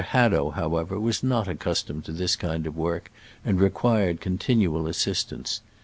Hadow, however, was not accustomed to this kind of work, and required con tinual assistance.